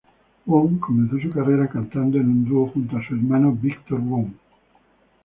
Wong comenzó su carrera cantando en un dúo junto a su hermano Victor Wong.